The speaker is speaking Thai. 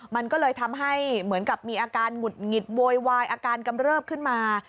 มันก็เลยทำให้เหมือนกับมีอาการหงุดหงิดโวยวายอาการกำเริบขึ้นมา